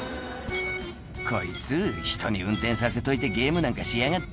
「こいつひとに運転させといてゲームなんかしやがって」